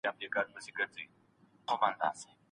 د ږدن په پټي کي له ډاره اتڼ نه دی ړنګ سوی.